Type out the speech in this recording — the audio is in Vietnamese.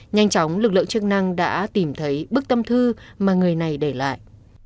nhanh chóng lực lượng chức năng đã tìm thấy bức tâm thư mà người này để lại